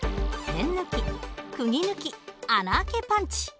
せん抜きくぎ抜き穴あけパンチ。